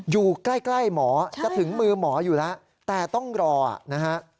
อยู่ใกล้หมอจะถึงมือหมออยู่แล้วแต่ต้องรอนะฮะ